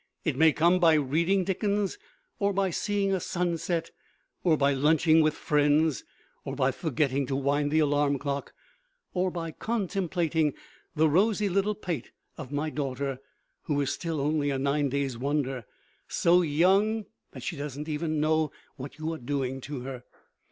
It may come by reading Dickens or by seeing a sunset, or by lunching with friends, or by forgetting to wind the alarm clock, or by contemplating the rosy little pate of my daughter, who is still only a nine days' wonder so young that she doesn't even know what you are doing to her.